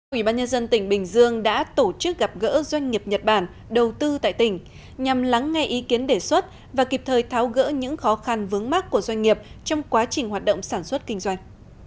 ủy ban nhân dân tỉnh bình dương đã tổ chức gặp gỡ doanh nghiệp nhật bản đầu tư tại tỉnh nhằm lắng nghe ý kiến đề xuất và kịp thời tháo gỡ những khó khăn vướng mắt của doanh nghiệp trong quá trình hoạt động sản xuất kinh doanh